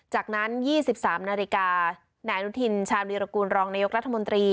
จากนั้น๒๓นาฬิกาแหน่งถิ่นชาวบิรกูลรองนายกรัฐมนตรี